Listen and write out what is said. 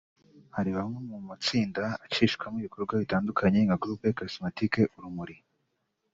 Hari amwe mu matsinda acishwamo ibikorwa bitandukanye nka Groupe Charismatique Urumuri